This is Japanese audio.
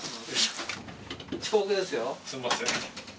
すんません。